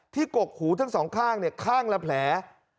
ที่กกหูทั้ง๒ข้างเนี่ยข้างละแผล